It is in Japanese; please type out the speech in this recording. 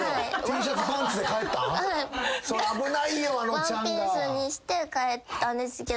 ワンピースにして帰ったんですけど。